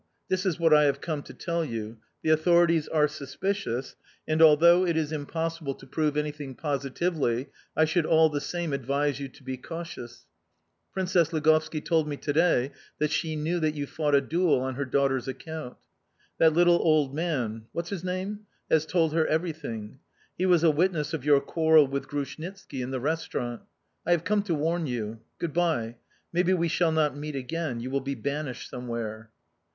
This is what I have come to tell you: the authorities are suspicious, and, although it is impossible to prove anything positively, I should, all the same, advise you to be cautious. Princess Ligovski told me to day that she knew that you fought a duel on her daughter's account. That little old man what's his name? has told her everything. He was a witness of your quarrel with Grushnitski in the restaurant. I have come to warn you. Good bye. Maybe we shall not meet again: you will be banished somewhere."